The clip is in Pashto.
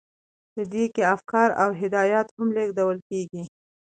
په دې کې افکار او هدایات هم لیږدول کیږي.